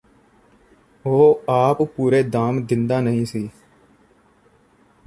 ਉਹ ਆਪ ਪੂਰੇ ਦਾਮ ਦਿੰਦਾ ਨਹੀਂ ਸੀ